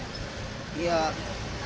tadi rumah susah ya bawa orang orang